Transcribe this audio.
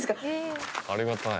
ありがたい。